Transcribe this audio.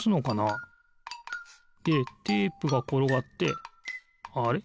でテープがころがってあれ？